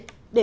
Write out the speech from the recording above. để phát triển